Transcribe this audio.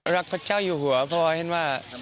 พระเจ้าอยู่หัวพอเห็นว่า